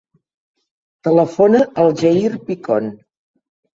Telefona al Jair Picon.